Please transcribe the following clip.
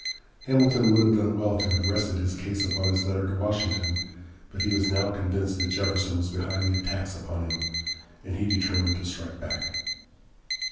Hamilton would have done well to have rested his case upon his letter to Washington, but he was now convinced that Jefferson was behind the attacks upon him, and he determined to strike back.